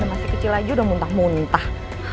masih kecil aja udah muntah muntah